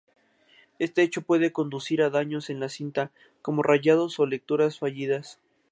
Este hecho puede conducir a daños en la cinta, como rayados o lecturas fallidas.